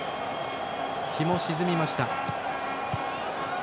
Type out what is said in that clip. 日も沈みました。